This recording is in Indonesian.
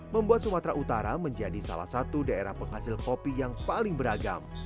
membuat sumatera utara menjadi salah satu daerah penghasil kopi yang paling beragam